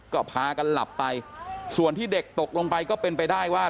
ก็พากันหลับไปส่วนที่เด็กตกลงไปก็เป็นไปได้ว่า